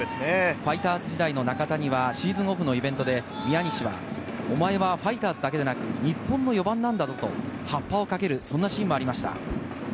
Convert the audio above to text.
ファイターズ時代の中田にはシーズンオフのイベントで宮西は、おまえはファイターズだけでなく、日本の４番なんだぞと、ハッパをかける、そんなシーンもありました。